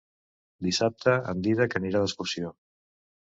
Dissabte en Dídac anirà d'excursió.